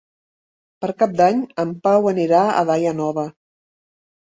Per Cap d'Any en Pau anirà a Daia Nova.